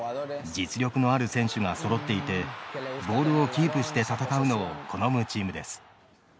実力のある選手がそろっていてボールをキープして戦うのを好むチームです。